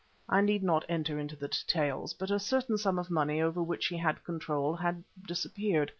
I need not enter into the details, but a certain sum of money over which he had control had disappeared.